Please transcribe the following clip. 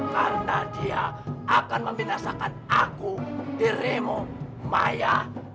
karena dia akan membinasakan aku dirimu maya dan saya